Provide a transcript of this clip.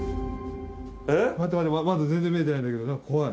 待って全然見えてないんだけど怖い。